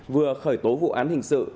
vừa khởi tố vụ án hình sự